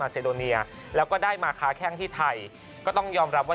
เซโดเนียแล้วก็ได้มาค้าแข้งที่ไทยก็ต้องยอมรับว่า